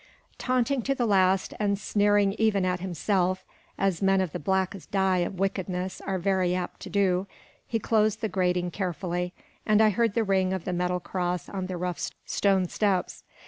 Taunting to the last, and sneering even at himself, as men of the blackest dye of wickedness are very apt to do, he closed the grating carefully, and I heard the ring of the metal cross on the rough stone steps.